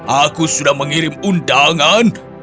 aku sudah mengirim undangan